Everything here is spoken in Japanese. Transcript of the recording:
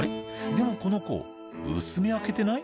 でもこの子薄目開けてない？